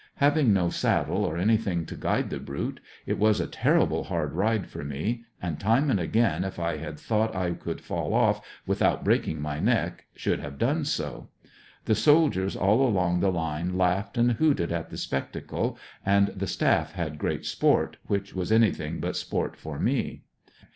Having no saddle or any thing to guide the brute, it was a terrible hard ride for me, and time and again if I had thought I could fall off without breaking my neck should have done so. The soldiers all along the line laughed and hooted at the spectacle and the staff had great sport, which was any thing but sport for me.